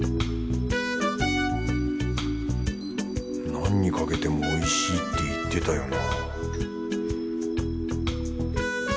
何にかけてもおいしいって言ってたよな